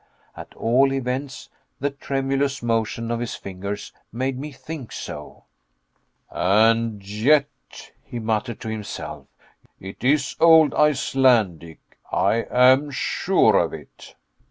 At all events the tremulous motion of his fingers made me think so. "And yet," he muttered to himself, "it is old Icelandic, I am sure of it."